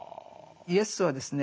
イエスはですね